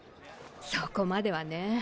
そこまではね。